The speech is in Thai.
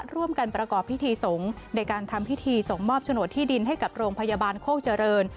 ร่วมกันประกอบพิธีสงฆ์ในการทำพิธีส่งมอบโฉนดที่ดินให้กับโรงพยาบาลโคกเจริญ